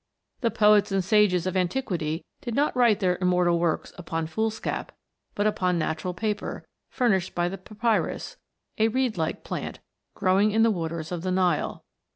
The poets and sages of antiquity did not write their immortal works upon "foolscap," but upon natural paper, furnished by the papyrus a reed like plant, growing in the waters of the Nile.